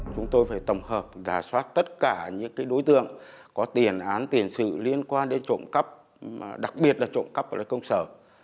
chúng tôi phải tổng hợp giả soát tất cả những đối tượng có tiền án tiền sự liên quan đến trộm cắp đặc biệt là trộm cắp gọi là công sở